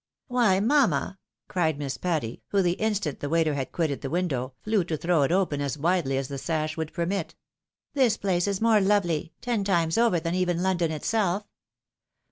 "Why, mamma!" cried Miss Patty, who the instant the waiter had quitted the window, flew to throw it open as widely as the sash would permit, "this place is more lovely, ten times over, than even London itself